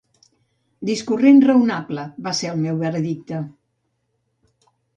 Discorrent raonable, va ser el meu veredicte.